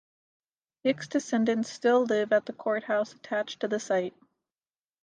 Hicks' descendants still live at the Court House attached to the site.